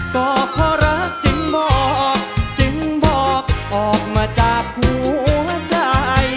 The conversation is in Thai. สอบเพราะรักจึงบอกจึงบอกออกมาจากหัวใจ